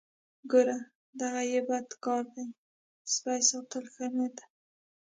ګوره دغه یې بد کار دی سپی ساتل ښه نه دي.